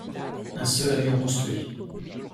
Un seul avion construit.